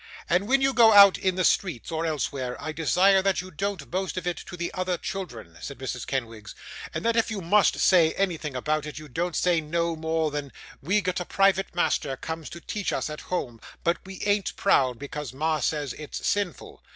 'And when you go out in the streets, or elsewhere, I desire that you don't boast of it to the other children,' said Mrs. Kenwigs; 'and that if you must say anything about it, you don't say no more than "We've got a private master comes to teach us at home, but we ain't proud, because ma says it's sinful."